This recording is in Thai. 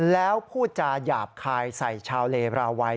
แล้วพูดจาหยาบคายใส่ชาวเลบราวัย